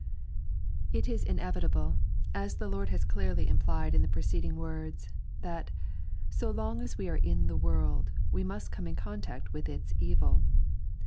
IT is inevitable, aa the Ziord has clearly implied in the preceding words, that, so long as we are in the world, we must come in contact with its evil.